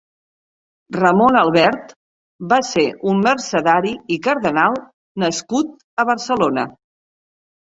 Ramon Albert va ser un «Mercedari i cardenal» nascut a Barcelona.